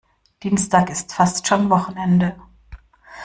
Dienstag ist fast schon Wochenende.